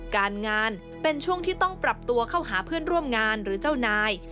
การงานเป็นช่วงที่ต้องปรับตัวเข้าหาเพื่อนร่วมงานหรือเจ้านาย